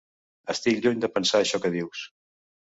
Estic lluny de pensar això que dius.